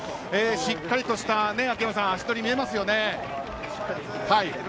しっかりとした足取りが見えますよね。